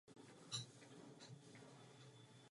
Je všestranný herec.